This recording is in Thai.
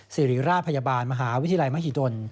สิริราชพยาบาลมหาวิทยาลัยมหิดล